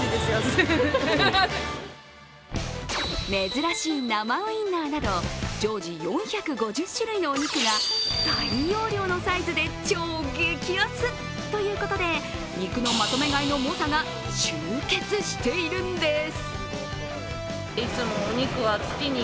珍しい生ウインナーなど常時４５０種類のお肉が大容量のサイズで超激安ということで、肉のまとめ買いの猛者が集結しているんです。